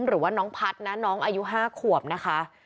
หรือว่าน้องพัฒน์นะน้องอายุ๕ขวบนะคะ